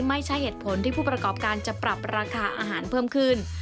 ไม่ใช่เหตุผลที่ผู้ประกอบการจะปรับราคาอาหารเพิ่มขึ้น